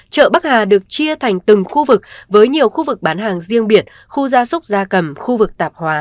chợ bắc hà được chia thành từng khu vực với nhiều khu vực bán hàng riêng biệt khu gia súc gia cầm khu vực tạp hóa